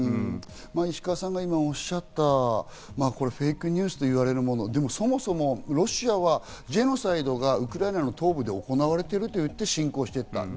石川さんが今おっしゃったフェイクニュースと言われるもの、でもそもそもロシアはジェノサイドがウクライナで行われていると言って侵攻していった。